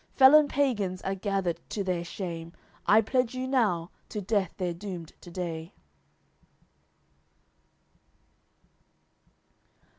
Felon pagans are gathered to their shame; I pledge you now, to death they're doomed to day."